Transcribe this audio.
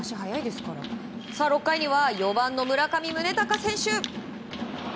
６回には４番の村上宗隆選手。